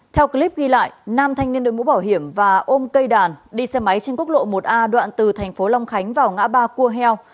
theo clip ghi lại nam thanh niên đội mũ bảo hiểm và ôm cây đàn đi xe máy trên quốc lộ một a đoạn từ thành phố long khánh vào ngã ba cua heo